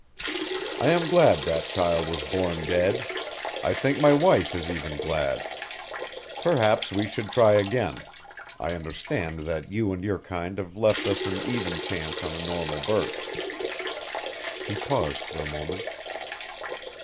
I am glad that child was born dead I think my wife is even glad. Perhaps we should try again I understand that you and your kind have left us an even chance on a normal birth." He paused for a moment.